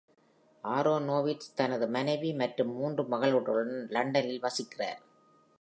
Aaronovitch தனது மனைவி மற்றும் மூன்று மகள்களுடன் லண்டனில் வசிக்கிறார்.